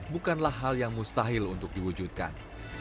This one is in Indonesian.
bukanlah hal yang mustahil untuk diwujudkan